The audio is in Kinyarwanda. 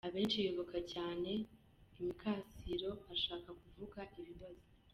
Abenshi bibuka cyane ‘imikasiro’ ashaka kuvuga ‘ibibazo’.